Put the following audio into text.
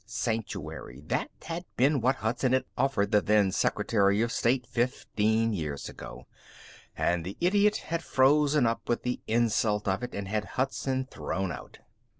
Sanctuary that had been what Hudson had offered the then secretary of state fifteen years ago and the idiot had frozen up with the insult of it and had Hudson thrown out.